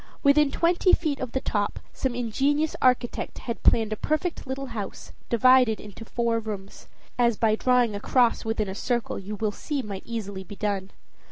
Within twenty feet of the top some ingenious architect had planned a perfect little house, divided into four rooms as by drawing a cross within a circle you will see might easily be done.